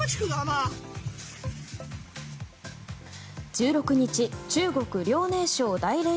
１６日中国・遼寧省大連